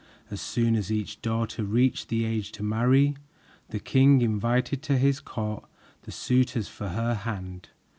As soon as each daughter reached the age to marry, the king invited to his court the suitors for her hand.